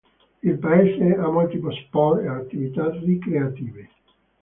Il paese ha molti sport e attività ricreative.